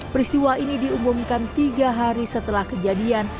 peristiwa ini diumumkan tiga hari setelah kejadian